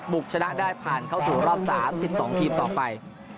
กชนะได้ผ่านเข้าสู่รอบ๓๒ทีมต่อไป